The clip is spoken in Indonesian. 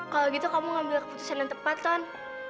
kalo gitu kamu ambil keputusan yang tepat ton